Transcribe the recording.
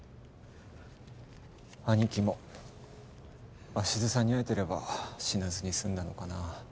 兄貴も鷲津さんに会えてれば死なずに済んだのかな。